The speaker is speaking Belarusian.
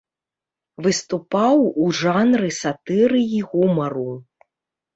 Выступаў у жанры сатыры і гумару.